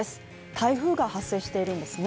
台風が発生しているんですね。